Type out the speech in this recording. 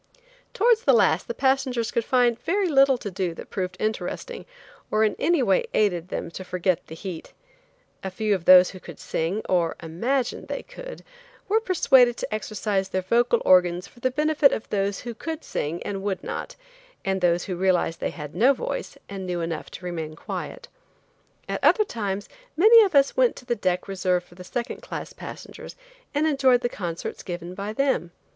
Towards the last the passengers could find very little to do that proved interesting or in any way aided them to forget the heat. A few of those who could sing, or imagined they could, were persuaded to exercise their vocal organs for the benefit of those who could sing and would not, and those who realized they had no voice and knew enough to remain quiet. At other times many of us went to the deck reserved for the second class passengers and enjoyed the concerts given by them.